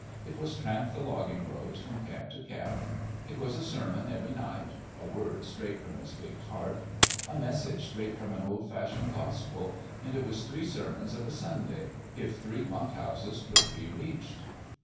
It was tramp the logging roads from camp to camp. It was a sermon every night a word straight from his big heart a message straight from an old fashioned gospel ; and it was three sermons of a Sunday, if three bunk houses could be reached.